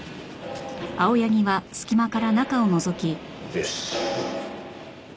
よし。